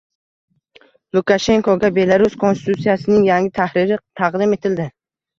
Lukashenkoga Belarus Konstitutsiyasining yangi tahriri taqdim etildi